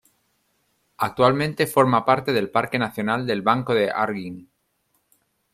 Actualmente forma parte del parque nacional del Banco de Arguin.